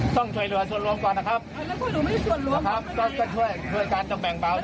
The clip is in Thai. แต่จะรอน้ำน้ำเป็นค่ะ